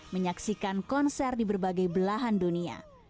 menyaksikan konser di berbagai belahan dunia